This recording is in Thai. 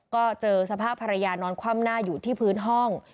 ก็เจอสภาพภรรยานอนคว่ำหน้าอยู่ที่พื้นห้อง